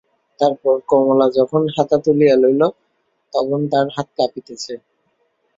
তাহার পর কমলা যখন হাতা তুলিয়া লইল তখন তাহার হাত কাঁপিতেছে।